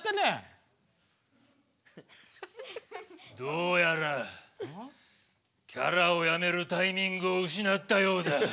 どうやらキャラをやめるタイミングを失ったようだ。